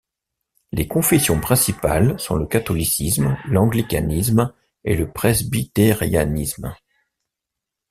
Les confessions principales sont le catholicisme, l'anglicanisme, et le presbytérianisme.